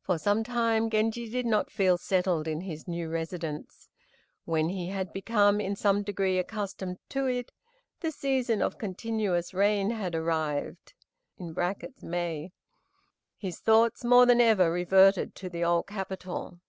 For some time Genji did not feel settled in his new residence. When he had become in some degree accustomed to it, the season of continuous rain had arrived (May); his thoughts more than ever reverted to the old capital.